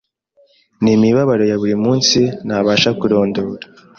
n’imibabaro ya buri munsi ntabasha kurondora.